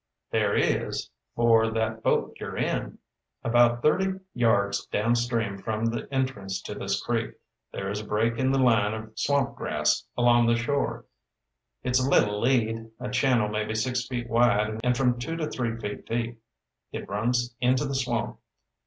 "There is, for that boat you're in. About thirty yards downstream from the entrance to this creek, there is a break in the line of swamp grass along the shore. It's a little lead, a channel maybe six feet wide and from two to three feet deep. It runs into the swamp.